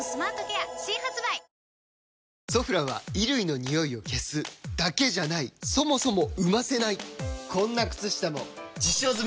「ソフラン」は衣類のニオイを消すだけじゃないそもそも生ませないこんな靴下も実証済！